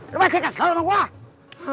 lu masih kesel sama gua